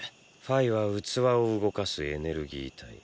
ファイは器を動かすエネルギー体。